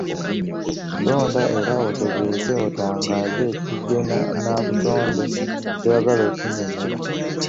Londa era otegeeze otangaaze ekijjo nnabutonde ky’oyagala okunnyonnyola.